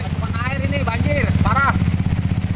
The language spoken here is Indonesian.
cuma air ini banjir parah